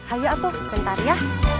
ayo atuk bentar ya